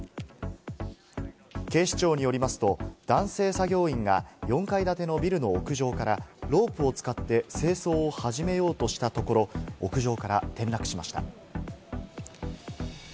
警視庁によりますと、男性作業員が４階建てのビルの屋上からロープを使って清掃を始めようとしたところ、屋上から転落しました。